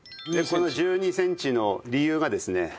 この１２センチの理由がですね